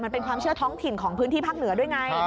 มันเป็นความเชื่อท้องถิ่นของพื้นที่ภาคเหนือด้วยไง